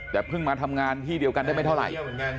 แต่เพิ่งมาทำงานที่เดียวกันได้ไม่เท่าไหร่